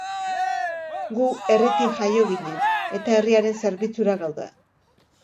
Gu herritik jaio ginen eta herriaren zerbitzura gaude.